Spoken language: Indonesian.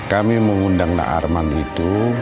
kami mengundang arman itu